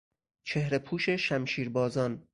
چهرهپوش شمشیربازان